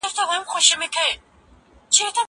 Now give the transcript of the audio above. زه کولای سم پلان جوړ کړم؟